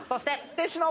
弟子の。